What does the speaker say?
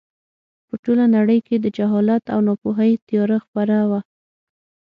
په ټوله نړۍ کې د جهالت او ناپوهۍ تیاره خپره وه.